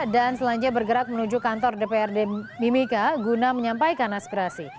dan selanjutnya bergerak menuju kantor dprd mimika guna menyampaikan aspirasi